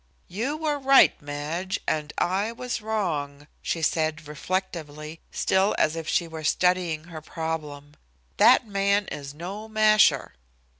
"You were right, Madge, and I was wrong," she said reflectively, still as if she were studying her problem; "that man is no 'masher.'"